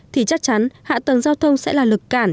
thì chắc chắn hạ tầng giao thông sẽ là lực cản